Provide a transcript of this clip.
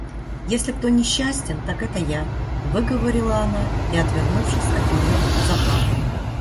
Если кто несчастен, так это я, — выговорила она и, отвернувшись от нее, заплакала.